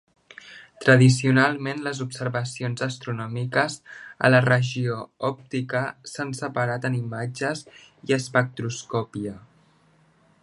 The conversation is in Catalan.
Tradicionalment, les observacions astronòmiques a la regió òptica s'han separat en imatges i espectroscòpia.